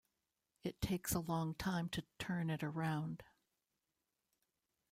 It takes a long time to turn it around.